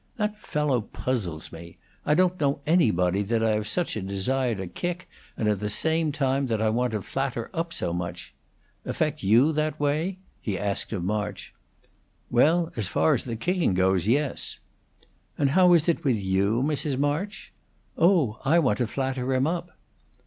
"That fellow puzzles me. I don't know anybody that I have such a desire to kick, and at the same time that I want to flatter up so much. Affect you that way?" he asked of March. "Well, as far as the kicking goes, yes." "And how is it with you, Mrs. March?" "Oh, I want to flatter him up."